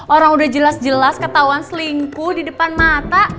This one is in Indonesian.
orang udah jelas jelas ketahuan selingkuh di depan mata